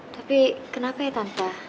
tapi kenapa ya tante